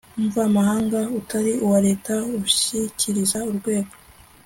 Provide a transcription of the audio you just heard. mvamahanga utari uwa leta ushyikiriza urwego